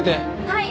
はい。